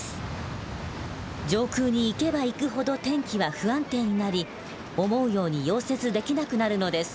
上空に行けば行くほど天気は不安定になり思うように溶接できなくなるのです。